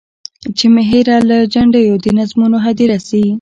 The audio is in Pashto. چي مي هېره له جنډیو د نظمونو هدیره سي.